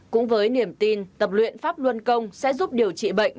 cũng với niềm tin tập luyện pháp luân công sẽ giúp điều trị bệnh